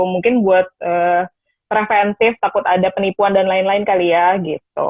mungkin buat preventif takut ada penipuan dan lain lain kali ya gitu